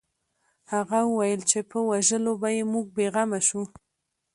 هغه وویل چې په وژلو به یې موږ بې غمه شو